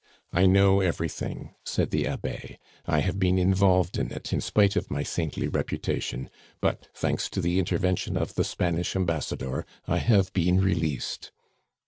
"I know everything," said the Abbe. "I have been involved in it, in spite of my saintly reputation; but, thanks to the intervention of the Spanish Ambassador, I have been released."